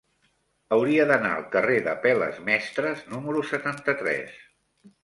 Hauria d'anar al carrer d'Apel·les Mestres número setanta-tres.